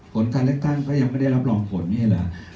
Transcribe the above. ผลการเลือกตั้งก็ยังไม่ได้รับรองผลนี่เหรอ